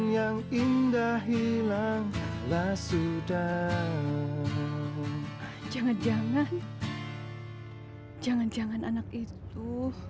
jangan jangan anak itu